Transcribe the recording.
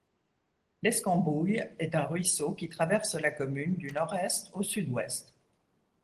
L'Escambouille est un ruisseau qui traverse la commune du nord-est au sud-ouest.